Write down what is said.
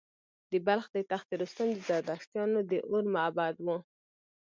د بلخ د تخت رستم د زردشتیانو د اور معبد و